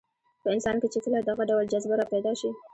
په انسان کې چې کله دغه ډول جذبه راپیدا شي.